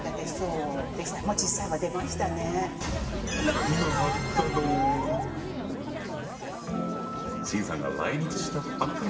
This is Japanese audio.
何があったの⁉秦さんが来日したばっかりの頃